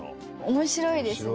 面白いですね。